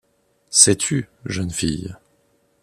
Sais-tu, jeune fille